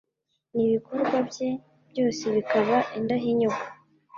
n’ibikorwa bye byose bikaba indahinyuka